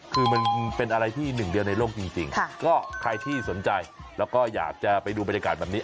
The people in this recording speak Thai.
คือมันเป็นอะไรที่หนึ่งเดียวในโลกจริงก็ใครที่สนใจแล้วก็อยากจะไปดูบรรยากาศแบบนี้